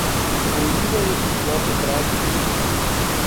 Oliva je prišla pobrat kruh.